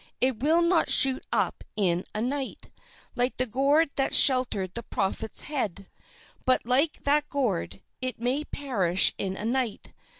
It will not shoot up in a night, like the gourd that sheltered the prophet's head; but, like that gourd, it may perish in a night.